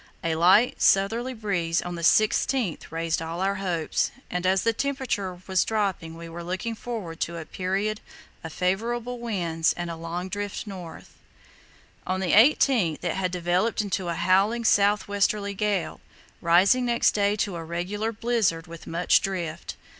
A light southerly breeze on the 16th raised all our hopes, and as the temperature was dropping we were looking forward to a period of favourable winds and a long drift north. On the 18th it had developed into a howling south westerly gale, rising next day to a regular blizzard with much drift.